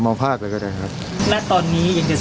สวัสดีครับคุณผู้ชม